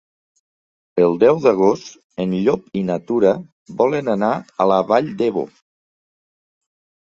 El deu d'agost en Llop i na Tura volen anar a la Vall d'Ebo.